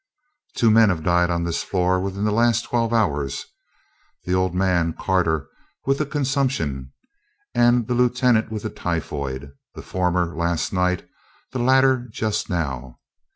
Two men have died on this floor within the last twelve hours, the old man Carter with the consumption, and the lieutenant with the typhoid, the former last night and the latter just now.